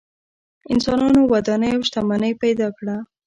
انسانانو ودانۍ او شتمنۍ پیدا کړه.